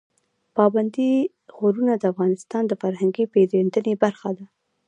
پابندی غرونه د افغانانو د فرهنګي پیژندنې برخه ده.